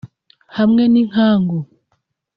hamwe n’inkangu